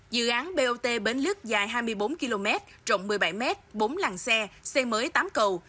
dự án bot bến lức dài hai mươi bốn km trọng một mươi bảy mét bốn làng xe xe mới tám cầu